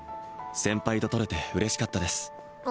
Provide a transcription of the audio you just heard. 先輩と撮れて嬉しかったです